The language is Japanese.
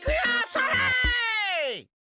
それ！